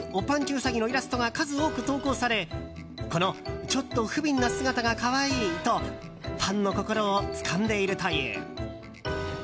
うさぎのイラストが数多く投稿されこのちょっとふびんな姿が可愛いとファンの心をつかんでいるという。